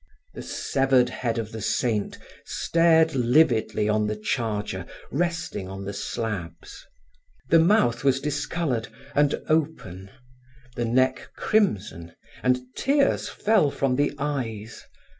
The severed head of the saint stared lividly on the charger resting on the slabs; the mouth was discolored and open, the neck crimson, and tears fell from the eyes.